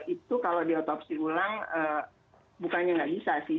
itu kalau di otopsi ulang bukannya tidak bisa sih